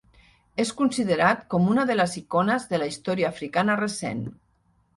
És considerat com una de les icones de la història africana recent.